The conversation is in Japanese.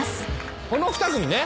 この２組ね。